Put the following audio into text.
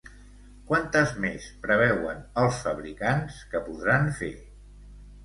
Quantes més preveuen els fabricants que podran fer?